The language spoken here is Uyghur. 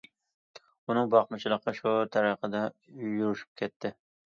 ئۇنىڭ باقمىچىلىقى شۇ تەرىقىدە يۈرۈشۈپ كەتتى.